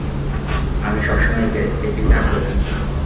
আমি সবসময় একই থাকব।